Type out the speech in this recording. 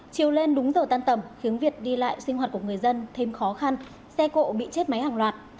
chiều lên đúng giờ tan tầm khiến việc đi lại sinh hoạt của người dân thêm khó khăn xe cộ bị chết máy hàng loạt